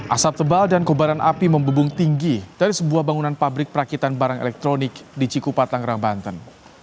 asap tebal dan kebaran api membebung tinggi dari sebuah bangunan pabrik perakitan barang elektronik di cikupatang rangbanten